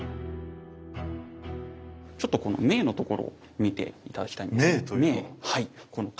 ちょっとこの銘のところ見て頂きたいんですけど。